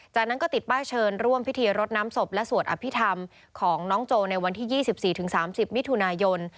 จากนั้นก็ติดป้ายเชิญร่วมพิธีรดน้ำศพและสวดอภิษฐรรมของน้องโจในวันที่๒๔๓๐มิถุนายน